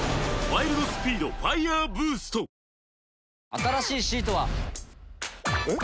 新しいシートは。えっ？